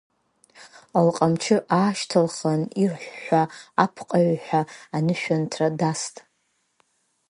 Лҟамчы аашьҭылхын ирыҳәҳәа апҟаҩҳәа анышәынҭра даст.